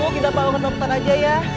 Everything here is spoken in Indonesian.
kita bawa ke dokter aja ya